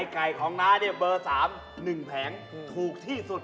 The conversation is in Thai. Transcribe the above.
ไก่ของน้าเนี่ยเบอร์๓๑แผงถูกที่สุด